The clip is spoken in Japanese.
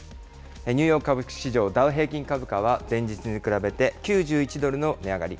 ニューヨーク株式市場、ダウ平均株価は前日に比べて、９１ドルの値上がり。